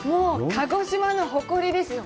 鹿児島の誇りですよ。